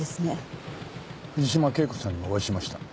藤島圭子さんにお会いしました。